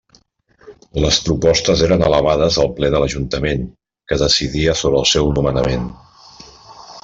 Les propostes eren elevades al ple de l'ajuntament, que decidia sobre el seu nomenament.